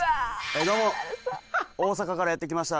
どうも大阪からやってきました